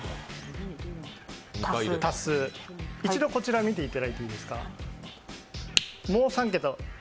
一度、見ていただいていいですか？